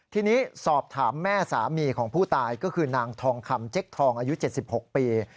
ทีนี้สอบถามแม่สามีของผู้ตายก็คือนางทองคำเจ๊กทองอายุ๗๖ปี